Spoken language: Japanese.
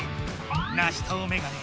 ナシトウメガネ